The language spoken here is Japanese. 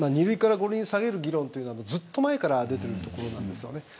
２類から５類に下げる議論というのはずっと前から出てるところなんですよね